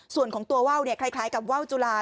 ส่วนของตัวว่าวคล้ายกับว่าวจุลา